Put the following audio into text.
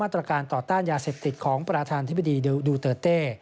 ตรการต่อต้านยาเสพติดของประธานธิบดีดูเตอร์เต้